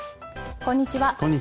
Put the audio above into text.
こんにちは。